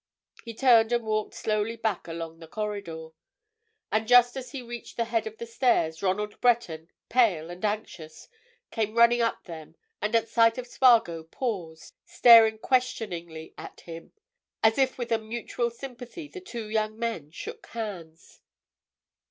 He turned and walked slowly back along the corridor. And just as he reached the head of the stairs Ronald Breton, pale and anxious, came running up them, and at sight of Spargo paused, staring questioningly at him. As if with a mutual sympathy the two young men shook hands.